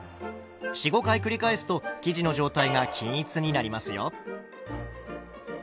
４５回繰り返すと生地の状態が均一になりますよ。